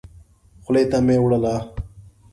خولې ته مي وړله .